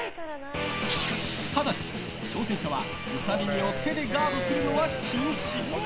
ただし、挑戦者はウサ耳を手でガードするのは禁止。